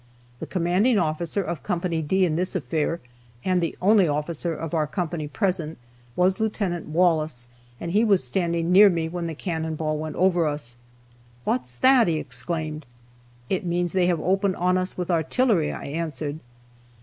The commanding officer of Co. D in this affair (and the only officer of our company present) was Lieut. Wallace, and he was standing near me when the cannon ball went over us. "What's that?" he exclaimed. "It means they have opened on us with artillery," I answered.